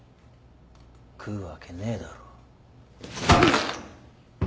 食うわけねえだろ。